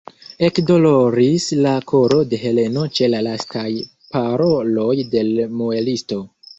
Ekdoloris la koro de Heleno ĉe la lastaj paroloj de l' muelisto.